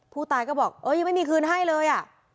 ผู้ตายก็บอกยังไม่มีคืนให้เลย